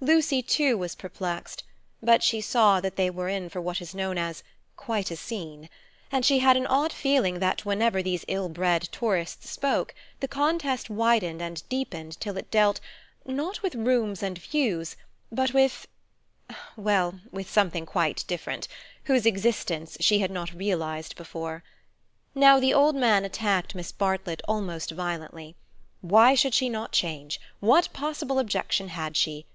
Lucy, too, was perplexed; but she saw that they were in for what is known as "quite a scene," and she had an odd feeling that whenever these ill bred tourists spoke the contest widened and deepened till it dealt, not with rooms and views, but with—well, with something quite different, whose existence she had not realized before. Now the old man attacked Miss Bartlett almost violently: Why should she not change? What possible objection had she?